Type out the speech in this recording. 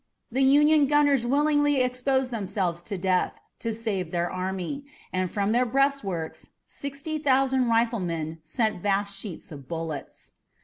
The Union gunners willingly exposed themselves to death to save their army, and from their breastworks sixty thousand riflemen sent vast sheets of bullets.